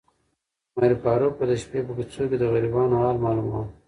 عمر فاروق به د شپې په کوڅو کې د غریبانو حال معلوماوه.